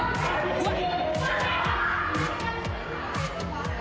うわっ！